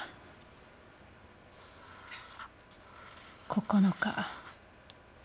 ９日。